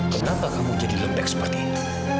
kenapa kamu jadi lembek seperti ini